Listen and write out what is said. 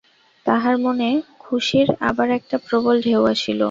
তাহার মনে খুশির আবার একটা প্রবল ঢেউ আসিল।